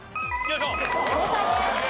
正解です。